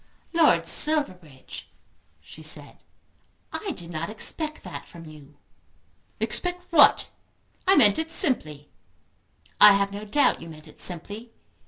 "Lord Silverbridge," she said, "I did not expect that from you." "Expect what? I meant it simply." "I have no doubt you meant it simply.